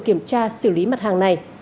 kiểm tra xử lý mặt hàng này